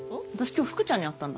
今日福ちゃんに会ったんだ。